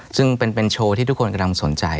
ซึ่งเป็นโชว์ที่ทุกคนกำลังสนใจ